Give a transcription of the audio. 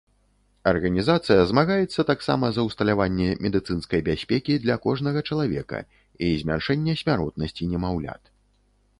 Арганізацыя змагаецца таксама за ўсталяванне медыцынскай бяспекі для кожнага чалавека і змяншэння смяротнасці немаўлят.